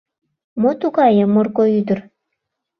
Мо тугае Морко ӱдыр -